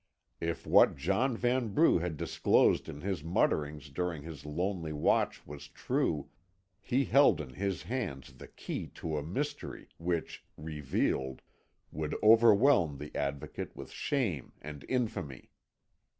If what John Vanbrugh had disclosed in his mutterings during his lonely watch was true, he held in his hands the key to a mystery, which, revealed, would overwhelm the Advocate with shame and infamy.